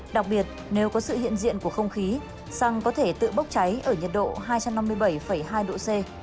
đặc biệt nếu có sự hiện diện của không khí xăng có thể tự bốc cháy ở nhiệt độ hai trăm năm mươi bảy hai độ c